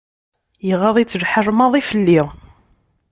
Iɣaḍ-itt lḥal maḍi fell-i.